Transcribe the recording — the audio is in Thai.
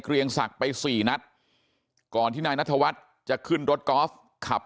เรียงศักดิ์ไปสี่นัดก่อนที่นายนัทวัฒน์จะขึ้นรถกอล์ฟขับ